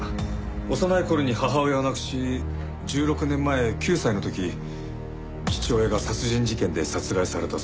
幼い頃に母親を亡くし１６年前９歳の時父親が殺人事件で殺害されたそうです。